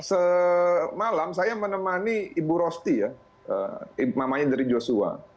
semalam saya menemani ibu rosti ya mamanya dari joshua